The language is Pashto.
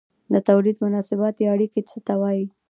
د توليد مناسبات یا اړیکې څه ته وايي؟